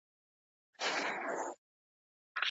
د کوچیانو ښځي بې کاره نه وي.